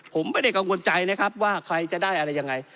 ผมไม่ได้กังวลใจนะครับว่าใครจะได้อะไรยังไง